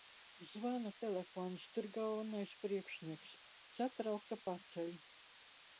Zvana telefons, tur galvenais priekšnieks. Satraukta paceļu.